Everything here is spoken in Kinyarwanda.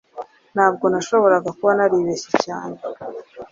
Ntabwo nashoboraga kuba naribeshye cyane